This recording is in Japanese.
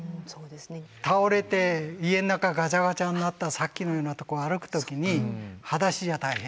倒れて家の中ガチャガチャになったさっきのようなところ歩く時にはだしじゃ大変。